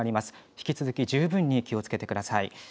引き続き十分に気をつけてください。